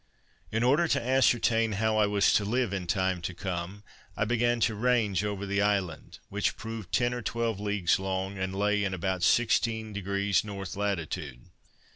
In order to ascertain how I was to live in time to come, I began to range over the island, which proved ten or eleven leagues long, and lay in about 16 deg north latitude.